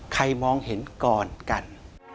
มองเห็นก่อนกัน